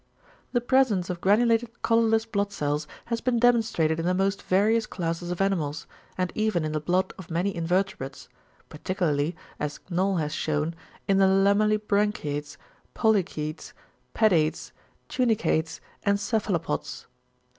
The presence of granulated colourless blood cells has been demonstrated in the most various classes of animals, and even in the blood of many invertebrates, particularly, as Knoll has shewn, in the Lamellibranchiates, Polychætes, Pedates, Tunicates and Cephalopods.